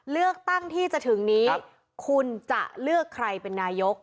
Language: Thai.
เลือกตั้งที่จะถึงนี้คุณจะเลือกใครเป็นนายก